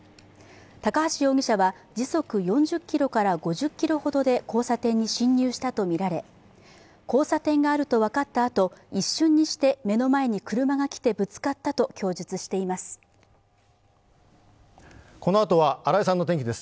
高橋容疑者は時速４０キロから５０キロほどで交差点に進入したとみられ、交差点があると分かったあと、一瞬にして目の前に車が来てぶつかったと供述しています。